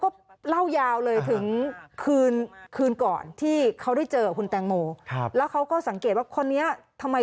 ไปเข้าห้องน้ำเนี่ยค่ะ